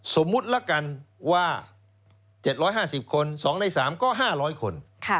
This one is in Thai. สมมุติละกันว่า๗๕๐คน๒ใน๓ก็๕๐๐คน